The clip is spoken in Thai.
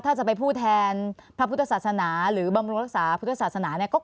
ถ้าจะเป็นผู้แทนพระพุทธศาสนาหรือบำรุงรักษาพุทธศาสนาเนี่ย